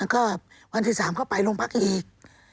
แล้วก็วันที่๓เขาไปโรงพักอีก